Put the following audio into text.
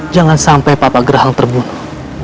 jangan sampai papa gerhang terbunuh